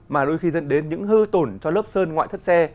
mà đôi khi dẫn đến những hư tổn cho lớp sơn ngoại thất xe